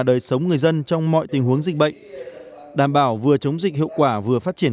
giúp người dân trong mọi tình huống dịch bệnh đảm bảo vừa chống dịch hiệu quả vừa phát triển